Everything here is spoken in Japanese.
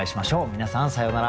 皆さんさようなら。